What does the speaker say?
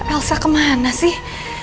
elsa kemana sih